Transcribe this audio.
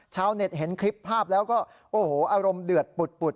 ชาวเน็ตเห็นคลิปภาพแล้วก็โอ้โหอารมณ์เดือดปุด